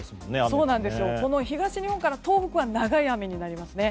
東日本から東北は長い雨になりますね。